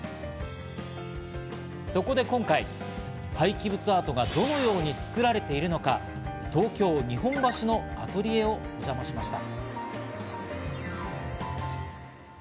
そこで今回、廃棄物アートはどのように作られているのか、東京・日本橋のアトリエをお邪魔しました。